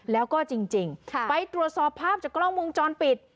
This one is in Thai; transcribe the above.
แล้วก็จริงไปตรวจสอบภาพจากกล้องวงจรปิด